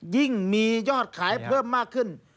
ยิ่งมียอดขายเพิ่มมากขึ้น